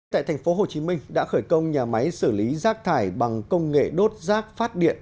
tại thành phố hồ chí minh đã khởi công nhà máy xử lý rác thải bằng công nghệ đốt rác phát điện